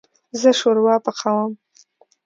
زه شوروا پخوم